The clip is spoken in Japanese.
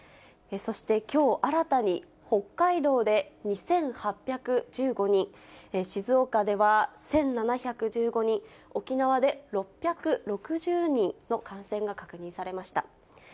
そしてきょう新たに、北海道で２８１５人、静岡では１７１５人、沖縄で６６０人の感染が確認されました。